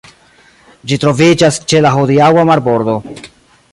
Ĝi troviĝas ĉe la hodiaŭa marbordo.